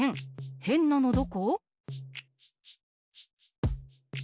へんなのどこ？